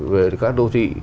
về các đô thị